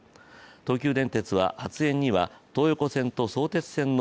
東急電鉄は発煙には東横線と相鉄線の